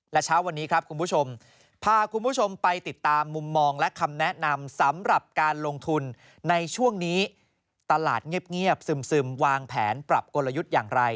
และเช้าวันนี้ครับคุณผู้ชมพาคุณผู้ชมไปติดตามมุมมองและคำแนะนำสำหรับการลงทุนในช่วงนี้ตลาดเงียบซึมวางแผนปรับกลยุทธ์อย่างไร